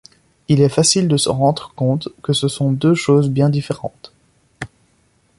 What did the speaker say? Il est facile de se rendre compte que ce sont deux choses bien différentes.